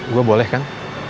gue boleh kan